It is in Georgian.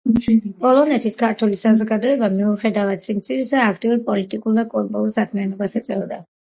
პოლონეთის ქართული საზოგადოება, მიუხედავად სიმცირისა აქტიურ პოლიტიკურ და კულტურულ საქმიანობას ეწეოდა.